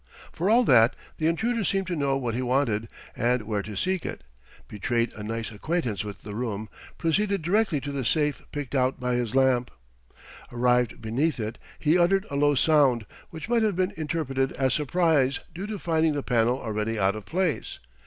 For all that, the intruder seemed to know what he wanted and where to seek it, betrayed a nice acquaintance with the room, proceeding directly to the safe picked out by his lamp. Arrived beneath it he uttered a low sound which might have been interpreted as surprise due to finding the panel already out of place.